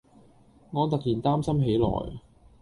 我突然擔心起來